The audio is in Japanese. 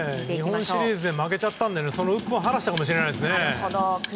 日本シリーズで負けちゃったのでそのうっぷんを晴らしたのかもしれないですね。